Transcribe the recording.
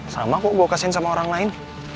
sama kok gue kasihin sama orang lain